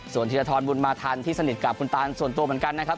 ส่วนธีรทรบุญมาทันที่สนิทกับคุณตานส่วนตัวเหมือนกันนะครับ